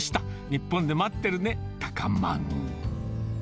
日本で待ってるね、たかまん。